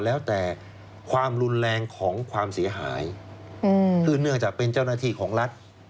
แล้วแต่ความรุนแรงของความเสียหายคือเนื่องจากเป็นเจ้าหน้าที่ของรัฐ